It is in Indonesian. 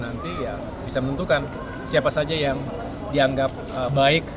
dan yang bisa menentukan siapa saja yang dianggap baik